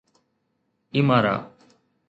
ايمارا